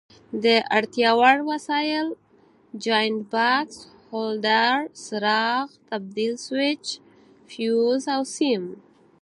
د اړتیا وړ وسایل: جاینټ بکس، هولډر، څراغ، تبدیل سویچ، فیوز او سیم.